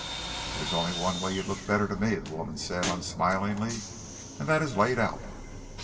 "There's only one way you'd look better to me," the woman said, unsmilingly, "and that is laid out."